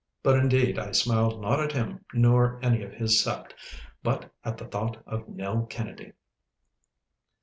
But indeed I smiled not at him nor any of his sept, but at the thought of Nell Kennedy.